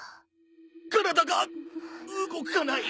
体が動かない！